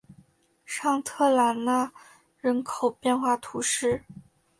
尚特兰讷人口变化图示